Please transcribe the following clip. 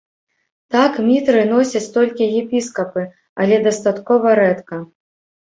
Так, мітры носяць толькі епіскапы, але дастаткова рэдка.